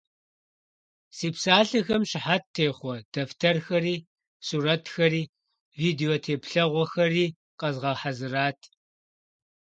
Си псалъэхэм щыхьэт техъуэ дэфтэрхэри, сурэтхэри, видеотеплъэгъуэхэри къэзгъэхьэзырат.